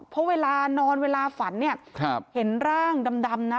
เพราะเวลานอนเวลาฝันเนี่ยเห็นร่างดำนะ